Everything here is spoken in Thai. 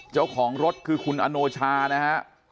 เจ้าของรถคือคุณอโนชานะฮะ